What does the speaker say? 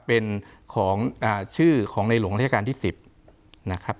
เป็นของชื่อของในหลวงราชการที่๑๐นะครับ